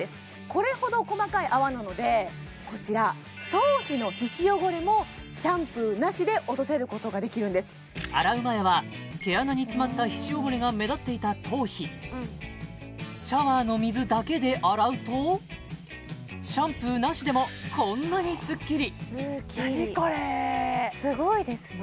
これほど細かい泡なのでこちら頭皮の皮脂汚れもシャンプーなしで落とせることができるんです洗う前は毛穴に詰まった皮脂汚れが目立っていた頭皮シャンプーなしでもこんなにすっきりすっきりすごいですね